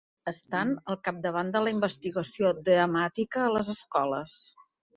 Estan al capdavant de la investigació dramàtica a les escoles.